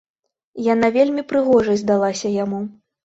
Яна вельмі прыгожай здалася яму.